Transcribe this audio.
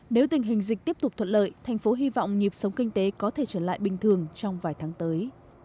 nếu tình hình dịch tiếp tục thuận lợi thành phố hy vọng nhịp sống kinh tế có thể trở lại bình thường trong vài tháng tới